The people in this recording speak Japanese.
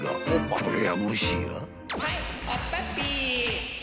［こりゃもしや？］